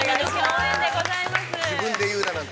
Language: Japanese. ◆自分で言うだなんて。